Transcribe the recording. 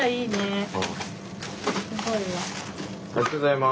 ありがとうございます。